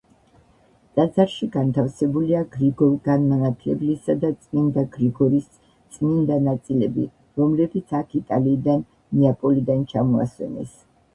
ტაძარში განთავსებულია გრიგოლ განმანათლებლისა და წმინდა გრიგორის წმინდა ნაწილები, რომლებიც აქ იტალიიდან, ნეაპოლიდან ჩამოასვენეს.